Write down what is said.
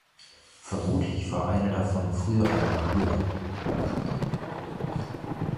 Vermutlich war einer davon früher einmal höher.